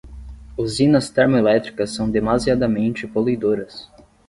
Usinas termoelétricas são demasiadamente poluidoras